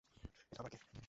এটা আবার কে?